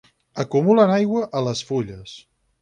Acumulen aigua a les fulles.